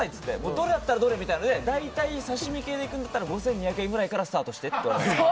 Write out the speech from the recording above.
どれだったらどれみたいなので大体、刺し身系だったら５２００円くらいからスタートしてって。